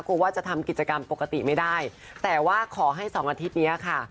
กลัวว่าจะทำกิจกรรมปกติไม่ได้แต่ว่าขอให้สองอาทิตย์เนี้ยค่ะ